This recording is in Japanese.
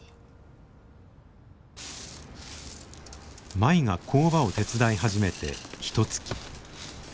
舞が工場を手伝い始めてひとつき。